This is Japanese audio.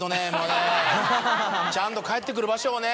ちゃんと帰ってくる場所をね